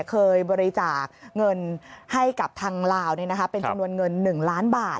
เคยบริจาคเงินให้กับทางลาวเป็นจำนวนเงิน๑ล้านบาท